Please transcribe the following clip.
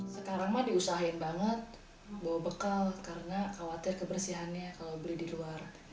sekarang mah diusahain banget bawa bekal karena khawatir kebersihannya kalau beli di luar